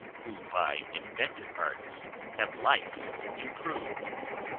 _ Who by invented arts have life improved.